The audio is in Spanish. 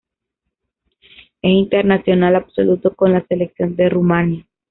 Es internacional absoluto con la Selección de Rumanía.